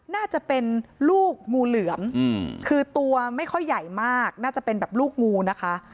น่าจะเป็นลูกงูเหลือมคือตัวไม่ค่อยใหญ่มากน่าจะเป็นแบบลูกงูนะคะ